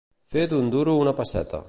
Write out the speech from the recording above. Fer d'un duro una pesseta.